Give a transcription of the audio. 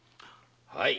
はい。